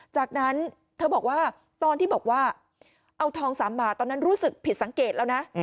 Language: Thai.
จากนั้นเธอบอกว่าตอนที่บอกว่าเอาทอง๓บาทตอนนั้นรู้สึกผิดสังเกตแล้วนะ